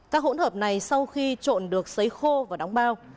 các hỗn hợp này sau khi trộn được xấy khô và đóng bao